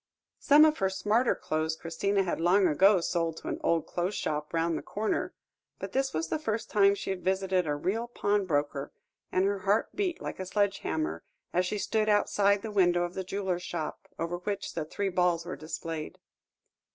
Some of her smarter clothes Christina had long ago sold to an old clothes' shop round the corner, but this was the first time she had visited a real pawnbroker, and her heart beat like a sledge hammer, as she stood outside the window of a jeweller's shop, over which the three balls were displayed.